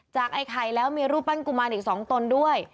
ไอ้ไข่แล้วมีรูปปั้นกุมารอีก๒ตนด้วย